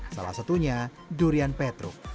salah satunya durian petruk